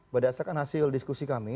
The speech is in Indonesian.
berdasarkan hasil diskusi kami